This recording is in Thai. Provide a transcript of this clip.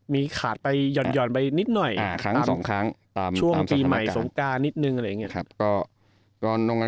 มีขาดไปหย่อนไปนิดหน่อยช่วงปีใหม่สงกราศนิดนึง